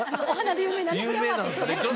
お花で有名なね